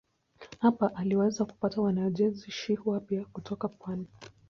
Hapa aliweza kupata wanajeshi wapya kutoka pwani.